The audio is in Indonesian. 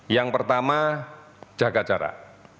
yang pertama jaga jarak